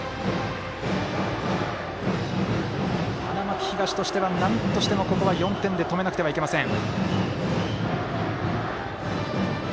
花巻東としては、なんとしてもここは４点で止めなければいけません。